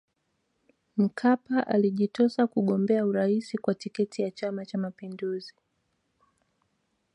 Mkapa alijitosa kugombea urais kwa tiketi ya Chama Cha Mapinduzi